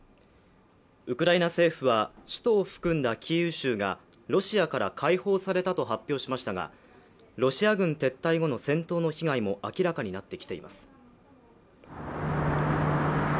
ウクライナ政府は首都を含んだキーウ州がロシアから解放されたと発表しましたがロシア軍撤退後の戦闘の被害も明らかになってきています。